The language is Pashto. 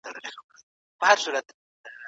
خیر محمد ته د سړک پر غاړه درېدل ډېر سخت وو.